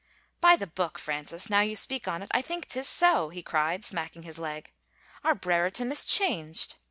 154 THE PESTILENCE " By the Book, Francis, now you speak on't, I think 'tis so," he cried, smacking his leg. " Our Brereton is changed.